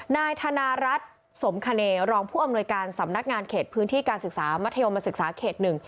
นายธนารัฐสมคเนรองผู้อำนวยการสำนักงานเขตพื้นที่การศึกษามัธยมศึกษาเขตหนึ่ง